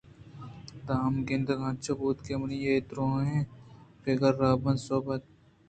پدا ہم گندگ انچو بوت کہ منی اے دُرٛاہیں پگر ءُرَہبند بے سوب اِت اَنت